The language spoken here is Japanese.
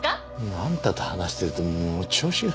あんたと話してるともう調子が。